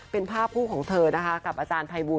เป็นภาพผู้ของเธอกับอาจารย์ไพบูล